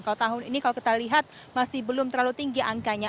kalau tahun ini kalau kita lihat masih belum terlalu tinggi angkanya